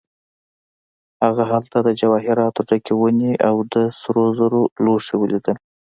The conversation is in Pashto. هغه هلته د جواهراتو ډکې ونې او د سرو زرو لوښي ولیدل.